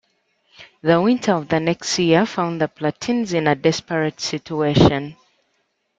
The winter of the next year found the Plataeans in a desperate situation.